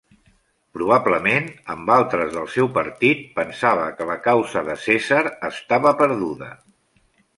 Probablement, amb altres del seu partit, pensava que la causa de Cèsar estava perduda.